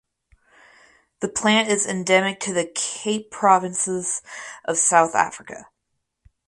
The plant is endemic to the Cape Provinces of South Africa.